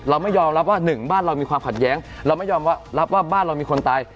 เราไม่ยอมรับว่าหนึ่งบ้านเรามีความขัดแย้งเราไม่ยอมรับว่าบ้านเรามีคนตาย